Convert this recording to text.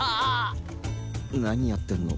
何やってんの？